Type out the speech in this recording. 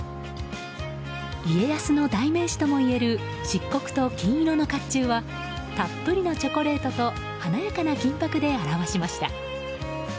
家康の代名詞ともいえる漆黒と金色の甲冑はたっぷりのチョコレートと華やかな金箔で表しました。